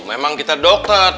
emang kita dokter